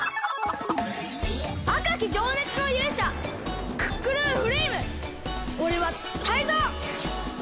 あかきじょうねつのゆうしゃクックルンフレイムおれはタイゾウ！